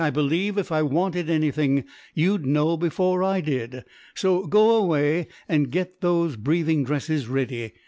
I believe if I wanted anything you'd know before I did, so go away and get those breathing dresses ready.